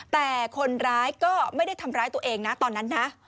แต่คนร้ายก็ไม่ได้ทำร้ายตัวเองนะตอนนั้นนะ